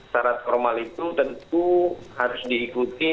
syarat formal itu tentu harus diikuti